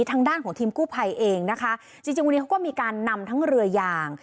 ทางด้านของทีมกู้ภัยเองนะคะจริงจริงวันนี้เขาก็มีการนำทั้งเรือยาง